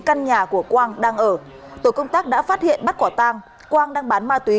căn nhà của quang đang ở tổ công tác đã phát hiện bắt quả tang quang đang bán ma túy